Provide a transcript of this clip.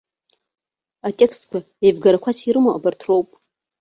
Атекстқәа еивгарақәас ирымоу абарҭ роуп.